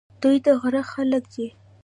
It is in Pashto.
دوی د غره خلک دي.